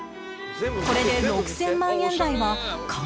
これで６０００万円台はかなりお得